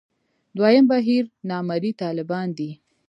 دویم بهیر نامرئي طالبان دي.